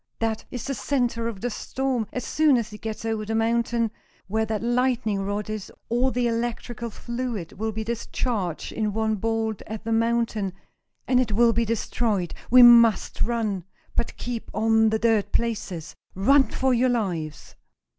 That is the center of the storm. As soon as it gets over the mountain, where that lightning rod is, all the electrical fluid will be discharged in one bolt at the mountain, and it will be destroyed! We must run, but keep on the dirt places! Run for your lives!"